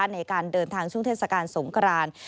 ในการเดินทางช่วงเทศกาลสงคราน